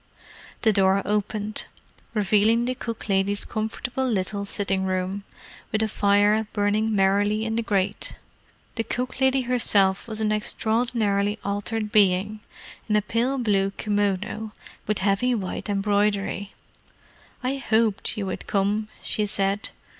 The door opened, revealing the cook lady's comfortable little sitting room, with a fire burning merrily in the grate. The cook lady herself was an extraordinarily altered being, in a pale blue kimono with heavy white embroidery. "I hoped you would come," she said.